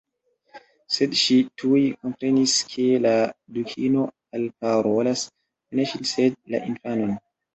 Sed ŝi tuj komprenis ke la Dukino alparolas ne ŝin sed la infanon.